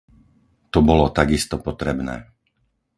To bolo takisto potrebné.